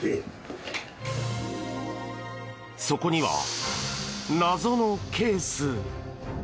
そこには、謎のケース。